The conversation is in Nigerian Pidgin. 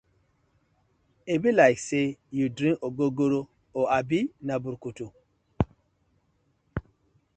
E bi like say yu dring ogogoro or abi na brukutu.